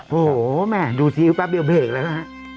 โอ้โหแม่ดูทีปรับเดี๋ยวเบรกแล้วนะฮะ